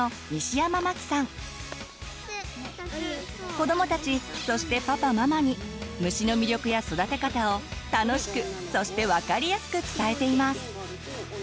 子どもたちそしてパパママに虫の魅力や育て方を楽しくそして分かりやすく伝えています。